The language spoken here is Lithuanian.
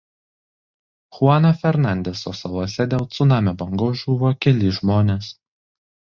Chuano Fernandeso salose dėl cunamio bangos žuvo keli žmonės.